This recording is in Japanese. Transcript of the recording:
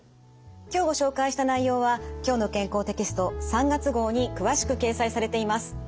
今日ご紹介した内容は「きょうの健康」テキスト３月号に詳しく掲載されています。